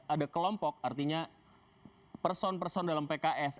ada kelompok artinya person person dalam pks